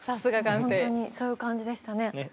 本当にそういう感じでしたね。